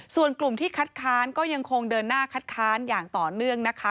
ส่วนกลุ่มที่คัดค้านก็ยังคงเดินหน้าคัดค้านอย่างต่อเนื่องนะคะ